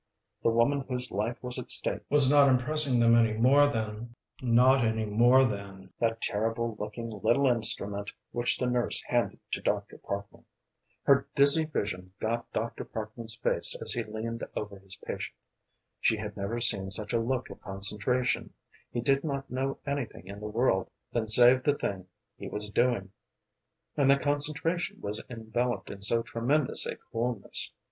The woman whose life was at stake was not impressing them any more than not any more than that terrible looking little instrument which the nurse handed to Dr. Parkman. Her dizzy vision got Dr. Parkman's face as he leaned over his patient. She had never seen such a look of concentration; he did not know anything in the world then save the thing he was doing. And the concentration was enveloped in so tremendous a coolness.